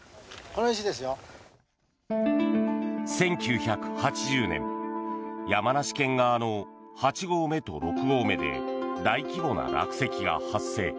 １９８０年山梨県側の８合目と６合目で大規模な落石が発生。